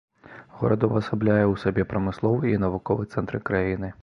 Горад увасабляе ў сабе прамысловы і навуковы цэнтры краіны.